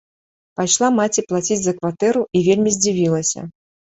Пайшла маці плаціць за кватэру і вельмі здзівілася.